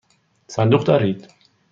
صندوق دارید؟